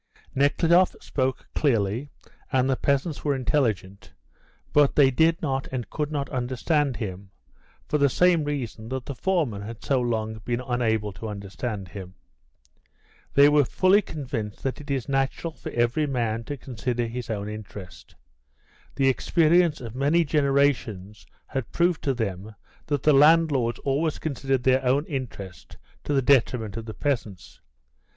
Nekhludoff spoke clearly, and the peasants were intelligent, but they did not and could not understand him, for the same reason that the foreman had so long been unable to understand him. They were fully convinced that it is natural for every man to consider his own interest. The experience of many generations had proved to them that the landlords always considered their own interest to the detriment of the peasants.